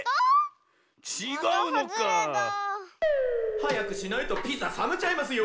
はやくしないとピザさめちゃいますよ。